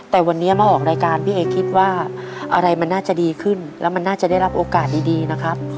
แต่วันนี้มาออกรายการพี่เอคิดว่าอะไรมันน่าจะดีขึ้นแล้วมันน่าจะได้รับโอกาสดีนะครับ